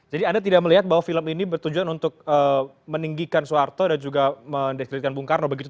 jadi anda tidak melihat bahwa film ini bertujuan untuk meninggikan soeharto dan juga mendeskripsikan bung karno begitu